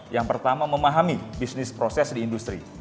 yang pertama memahami bisnis proses di industri